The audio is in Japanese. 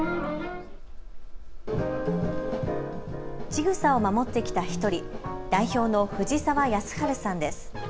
ちぐさを守ってきた１人、代表の藤澤智晴さんです。